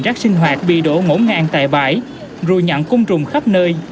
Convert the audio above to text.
rác sinh hoạt bị đổ ngỗ ngang tại bãi rùi nhặn cung trùng khắp nơi